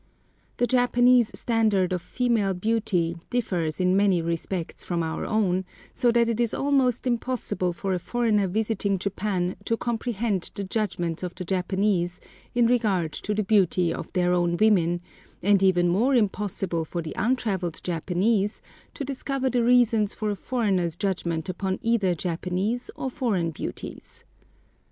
The Japanese standard of female beauty differs in many respects from our own, so that it is almost impossible for a foreigner visiting Japan to comprehend the judgments of the Japanese in regard to the beauty of their own women, and even more impossible for the untraveled Japanese to discover the reasons for a foreigner's judgments upon either Japanese or foreign beauties.